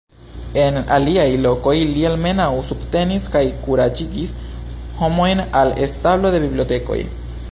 En aliaj lokoj li almenaŭ subtenis kaj kuraĝigis homojn al establo de bibliotekoj.